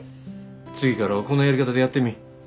次からはこのやり方でやってみ。